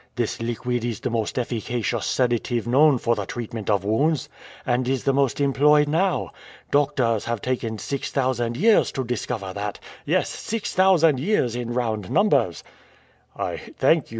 "This liquid is the most efficacious sedative known for the treatment of wounds, and is the most employed now. Doctors have taken six thousand years to discover that! Yes, six thousand years in round numbers!" "I thank you, M.